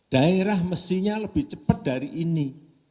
daerah mestinya lebih cepat dari ini